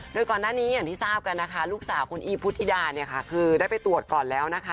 โดยก่อนหน้านี้อย่างที่ทราบกันนะคะลูกสาวคุณอีฟพุทธิดาเนี่ยค่ะคือได้ไปตรวจก่อนแล้วนะคะ